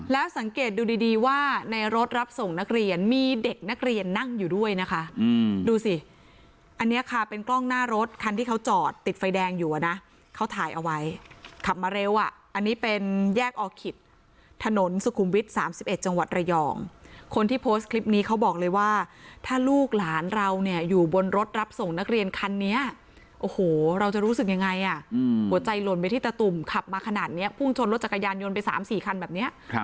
แล้วสังเกตดูดีดีว่าในรถรับส่งนักเรียนมีเด็กนักเรียนนั่งอยู่ด้วยนะคะอืมดูสิอันนี้ค่ะเป็นกล้องหน้ารถคันที่เขาจอดติดไฟแดงอยู่อ่ะนะเขาถ่ายเอาไว้ขับมาเร็วอ่ะอันนี้เป็นแยกออคิดถนนสุขุมวิทย์สามสิบเอ็ดจังหวัดระยองคนที่โพสต์คลิปนี้เขาบอกเลยว่าถ้าลูกหลานเราเนี่ยอยู่บนรถรับส่งนักเรี